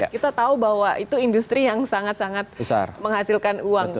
kita tahu bahwa itu industri yang sangat sangat menghasilkan uang